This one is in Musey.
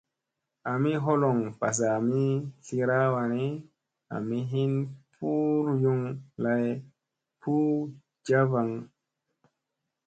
Ami holoŋ mbazami slira wani, ami hin puuryŋ lay, puu njavaŋ.